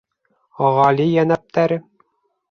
Ғали йәнәптәре...